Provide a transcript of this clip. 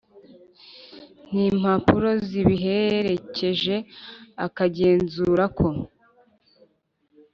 N Impapuro Zibiherekeje Akagenzura Ko